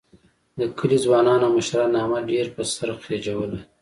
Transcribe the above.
د کلي ځوانانو او مشرانو احمد ډېر په سر خېجولی